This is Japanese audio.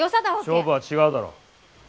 勝負は違うだろ。